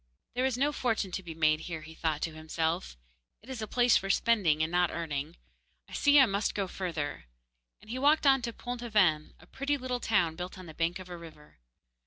'There is no fortune to be made here,' he thought to himself; 'it is a place for spending, and not earning. I see I must go further,' and he walked on to Pont aven, a pretty little town built on the bank of a river.